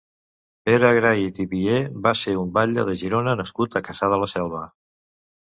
Pere Grahit i Vié va ser un batlle de Girona nascut a Cassà de la Selva.